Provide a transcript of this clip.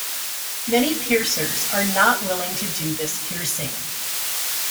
Many piercers are not willing to do this piercing.